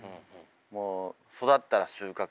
もう育ったら収穫。